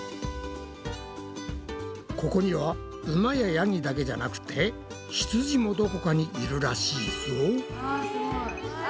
ここにはウマやヤギだけじゃなくてひつじもどこかにいるらしいぞ。